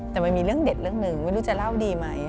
แต่มันมีเรื่องเด็ดเรื่องหนึ่งไม่รู้จะเล่าดีไหม